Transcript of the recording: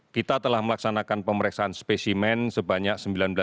kita telah melaksanakan pemeriksaan spesimen sebanyak sembilan belas sembilan ratus tujuh belas